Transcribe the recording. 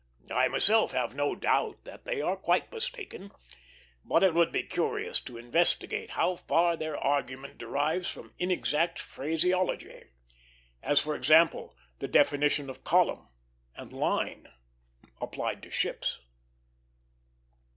I myself have no doubt that they are quite mistaken; but it would be curious to investigate how far their argument derives from inexact phraseology as, for example, the definition of "column" and "line" applied to ships.